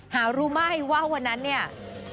หารู้ไหมว่าวันนั้นเนี่ย